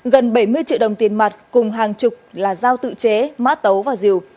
gần bảy mươi triệu đồng tiền mặt cùng hàng chục là dao tự chế mã tấu và rìu